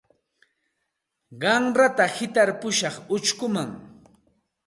Qanrata hitarpushaq uchkuman.